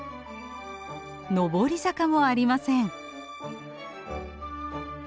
上り坂もありません。